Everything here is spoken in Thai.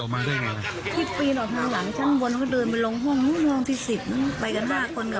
ไปกับ๕คนแล้วกับ๑๐